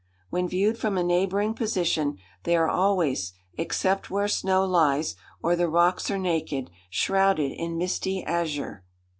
When viewed from a neighbouring position, they are always, except where snow lies, or the rocks are naked, shrouded in misty azure.